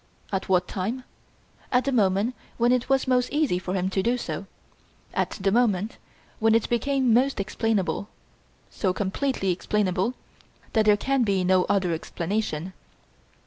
At what time? At the moment when it was most easy for him to do so; at the moment when it became most explainable so completely explainable that there can be no other explanation.